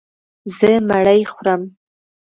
زه مړۍ خورم.